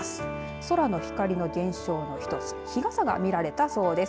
空の光の現象の一つひがさが見られたそうです。